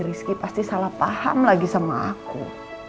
rizky pasti salah paham lagi sama aku